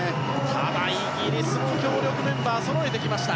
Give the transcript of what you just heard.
ただ、イギリスも強力メンバーをそろえてきました。